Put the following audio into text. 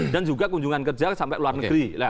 juga kunjungan kerja sampai luar negeri